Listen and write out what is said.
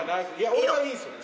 俺はいいっすよ。